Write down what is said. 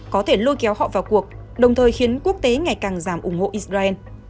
có thể lôi kéo họ vào cuộc đồng thời khiến quốc tế ngày càng giảm ủng hộ israel